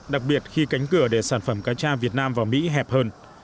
đặc biệt khi cánh cửa để sản phẩm cá cha việt nam vào mỹ hẹp hơn